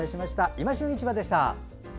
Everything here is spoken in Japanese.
「いま旬市場」でした。